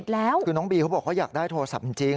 คือน้องบีเขาบอกเขาอยากได้โทรศัพท์จริง